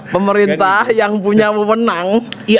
pemerintah yang punya memenang